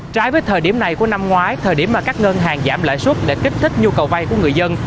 trái với thời điểm này của năm ngoái thời điểm mà các ngân hàng giảm lãi suất để kích thích nhu cầu vay của người dân